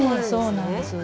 そうなんです。